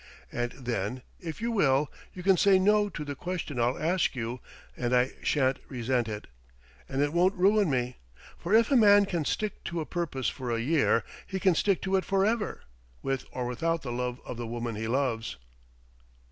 And then, if you will, you can say no to the question I'll ask you and I shan't resent it, and it won't ruin me; for if a man can stick to a purpose for a year, he can stick to it forever, with or without the love of the woman he loves."